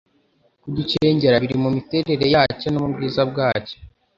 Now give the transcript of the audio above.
kugicengera biri mu miterere yacyo no mu bwiza bwacyo